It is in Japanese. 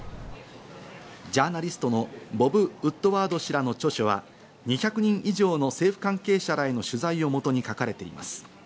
ジャーナリストのボブ・ウッドワード氏らの著書は２００人以上の政府関係者らへの取材をもとに書かれています。